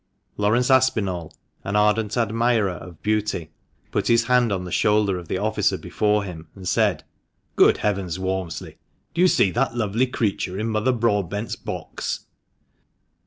Laurence Aspinall, an ardent admirer of beauty, put his hand on the shoulder of the officer before him, and said —" Good heavens, Walmsley ! Do you see that lovely creature in Mother Broadbent's box?"